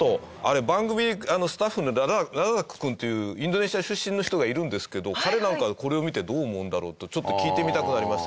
番組スタッフのラザック君っていうインドネシア出身の人がいるんですけど彼なんかこれを見てどう思うんだろうとちょっと聞いてみたくなりました。